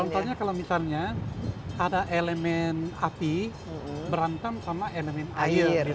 contohnya kalau misalnya ada elemen api berantem sama elemen air